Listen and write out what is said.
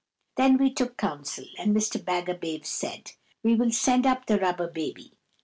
Then we took counsel, and Mr. Bagabave said, "We will send up the Rubber Baby."